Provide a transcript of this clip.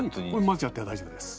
混ぜちゃって大丈夫です。